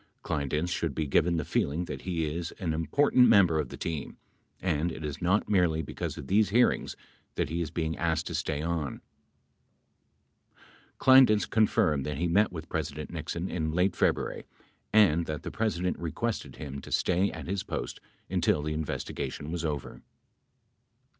Kleindienst should be given the feeling that he is an im portant member of the team and it is not merely because of these hearings that he is being asked to stay on. 20 Kleindienst confirmed that he met with President Nixon in late Feb ruary and that the President requested him to stay at his post until the investigation was over.